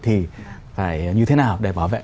thì phải như thế nào để bảo vệ